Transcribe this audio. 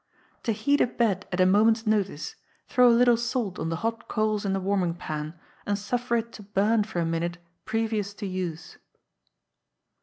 To heat a bed at a moment's notice, throw a little salt on the hot coals in the warming pan, and suffer it to burn for a minute previous to use.